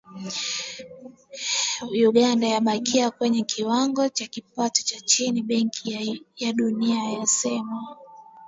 "Uganda yabakia kwenye kiwango cha kipato cha chini", Benki ya Dunia yasema.